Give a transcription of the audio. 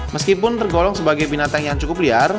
meskipun tergolong sebagai binatang yang cukup liar